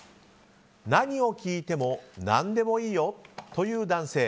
何を聞いても何でもいいよと言う男性。